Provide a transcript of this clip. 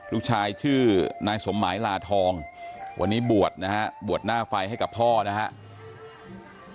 ลูกชายชื่อนายสมหมายลาทองวันนี้บวชนะฮะบวชหน้าไฟให้กับพ่อนะครับ